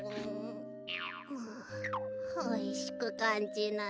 あおいしくかんじない。